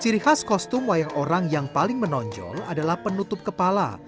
ciri khas kostum wayang orang yang paling menonjol adalah penutup kepala